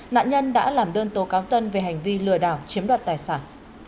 nạn nhân đã làm đơn tố cáo tân về hành vi lừa đảo chiếm đoạt tài sản